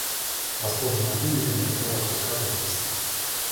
Восторженная публика не хотела отпускать артиста.